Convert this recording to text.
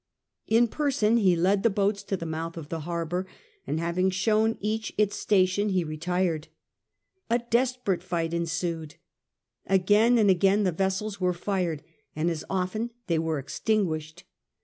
In person he led the boats to the mouth of the harbour, and having shown each its station he retired. A desperate fight ensued. Again and again the vessels were fired, and as often they were extinguished.